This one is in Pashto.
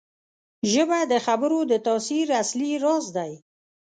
ژبه د خبرو د تاثیر اصلي راز دی